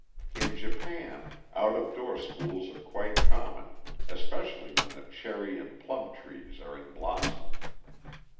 In Japan out of door schools are quite common, especially when the cherry and plum trees are in blossom.